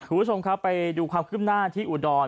คุณผู้ชมครับไปดูความขึ้นหน้าที่อุดร